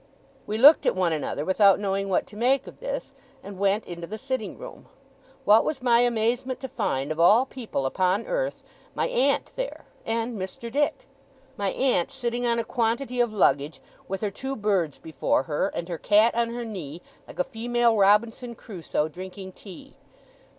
We looked at one another, without knowing what to make of this, and went into the sitting room. What was my amazement to find, of all people upon earth, my aunt there, and Mr. Dick! My aunt sitting on a quantity of luggage, with her two birds before her, and her cat on her knee, like a female Robinson Crusoe, drinking tea.